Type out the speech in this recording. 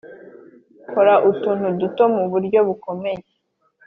kora utuntu duto muburyo bukomeye.